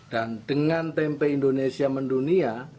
dan dengan tempe indonesia mendunia